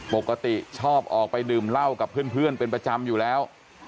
ปกติชอบออกไปดื่มเหล้ากับเพื่อนเป็นประจำอยู่แล้ว